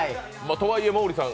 とはいえ、毛利さん